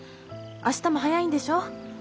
明日も早いんでしょう？